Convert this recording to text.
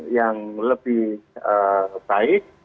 yang lebih baik